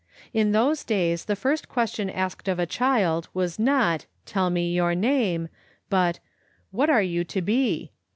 In those days the first question asked of a child was not, "Tell me your name," but "What are you to be?"